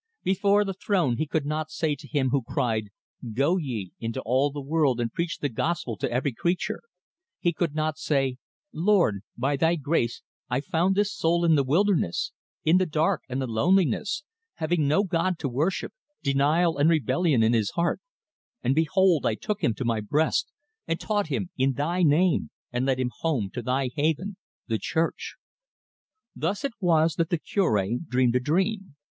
Before the Throne he could not say to Him who cried: "Go ye into all the world and preach the gospel to every creature" he could not say: "Lord, by Thy grace I found this soul in the wilderness, in the dark and the loneliness, having no God to worship, denial and rebellion in his heart; and behold, I took him to my breast, and taught him in Thy name, and led him home to Thy haven, the Church!" Thus it was that the Cure dreamed a dream.